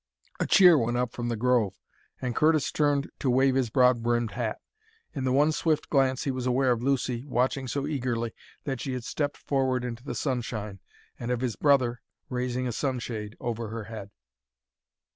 A cheer went up from the grove, and Curtis turned to wave his broad brimmed hat. In the one swift glance he was aware of Lucy, watching so eagerly that she had stepped forward into the sunshine, and of his brother, raising a sunshade over her head.